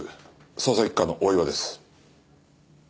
捜査一課の大岩です。